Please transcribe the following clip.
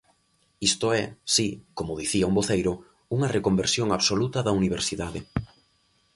Isto é, si, –como dicía un voceiro– unha reconversión absoluta da universidade.